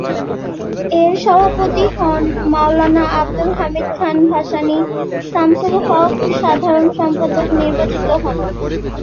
এর সভাপতি হন মওলানা আবদুল হামিদ খান ভাসানী, শামসুল হক সাধারণ সম্পাদক নির্বাচিত হন।